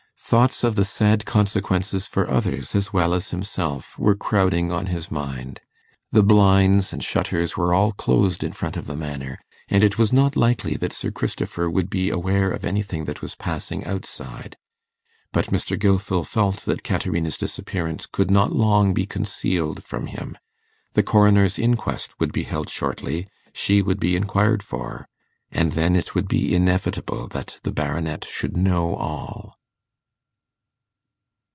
Thoughts of the sad consequences for others as well as himself were crowding on his mind. The blinds and shutters were all closed in front of the Manor, and it was not likely that Sir Christopher would be aware of anything that was passing outside; but Mr. Gilfil felt that Caterina's disappearance could not long be concealed from him. The coroner's inquest would be held shortly; she would be inquired for, and then it would be inevitable that the Baronet should know all.